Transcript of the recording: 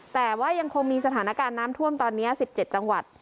แต่ว่ายังคงมีสถานการณ์น้ำท่วมตอนนี้๑๗จังหวัด